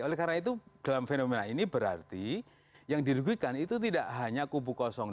oleh karena itu dalam fenomena ini berarti yang dirugikan itu tidak hanya kubu dua